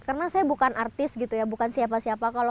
karena saya bukan artis bukan siapa siapa